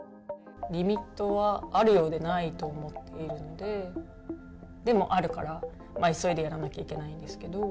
リミットはあるようでないと思っているので、でも、あるから、急いでやらなきゃいけないんですけど。